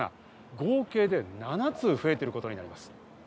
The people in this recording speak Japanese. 合計で７つ増えていることになります。